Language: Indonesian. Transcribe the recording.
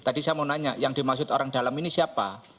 tadi saya mau nanya yang dimaksud orang dalam ini siapa